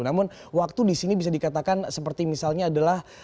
namun waktu di sini bisa dikatakan seperti misalnya adalah